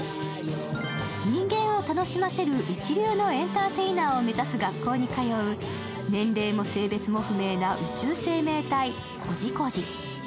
人間を楽しませる一流のエンターテイナーを目指す学校に通う年齢も性別も不明な宇宙生命体コジコジ。